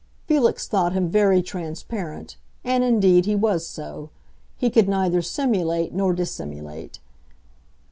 Felix thought him very transparent, and indeed he was so; he could neither simulate nor dissimulate.